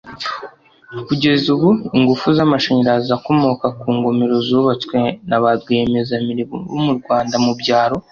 Kugeza ubu ingufu z’amashanyarazi akomoka ku ngomero zubatswe na ba rwiyemezamirimo bo mu Rwanda mu byaro